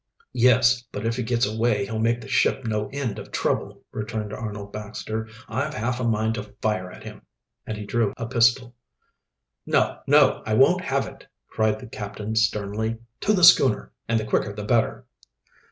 "Yes, but if he gets away he'll make the ship no end of trouble," returned Arnold Baxter. "I've half a mind to fire at him," and he drew a pistol. "No! no! I won't have it," cried the captain sternly. "To the schooner, and the quicker the better."